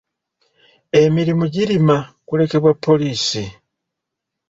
Emirimu girima kulekerwa poliisi.